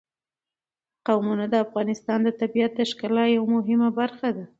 قومونه د افغانستان د طبیعت د ښکلا یوه مهمه برخه ده.